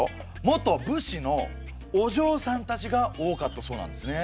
元武士のおじょうさんたちが多かったそうなんですね。